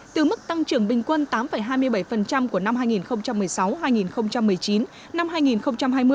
từ mức tăng trưởng bình quân tám hai mươi bảy của năm hai nghìn một mươi sáu hai nghìn một mươi chín năm hai nghìn hai mươi